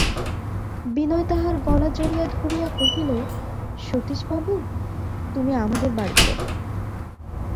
বিনয় তাহার গলা জড়াইয়া ধরিয়া কহিল, সতীশবাবু, তুমি আমাদের বাড়ি চলো।